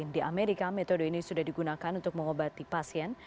di amerika metode ini sudah digunakan untuk mengobati pasien